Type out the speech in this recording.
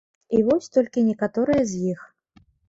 І вось толькі некаторыя з іх.